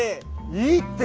いいって！